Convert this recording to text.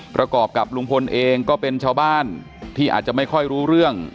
ประกอบกับลุงพลเองก็เป็นชาวบ้านที่อาจจะไม่ค่อยรู้เรื่อง